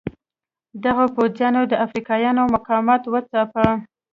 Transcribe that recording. دغو پوځیانو د افریقایانو مقاومت وځاپه.